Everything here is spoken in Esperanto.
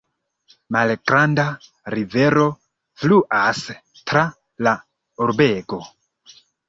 Malgranda rivero fluas tra la urbego.